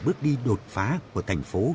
bước đi đột phá của thành phố